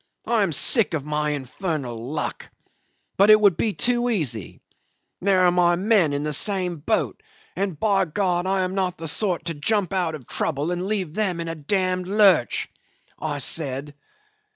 I am sick of my infernal luck. But it would be too easy. There are my men in the same boat and, by God, I am not the sort to jump out of trouble and leave them in a d d lurch,' I said.